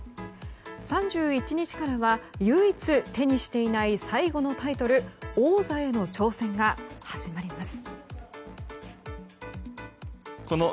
３１日からは唯一手にしていない最後のタイトル王座への挑戦が始まります。